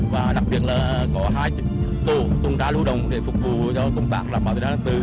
và đặc biệt là có hai tổ tuần tra lưu động để phục vụ cho công tác đảm bảo tình hạn tử